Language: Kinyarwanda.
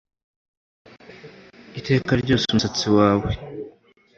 iteka ryose umusatsi wawe